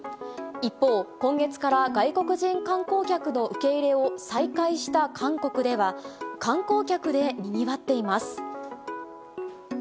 一方、今月から外国人観光客の受け入れを再開した韓国では、観光客でにぎわっています。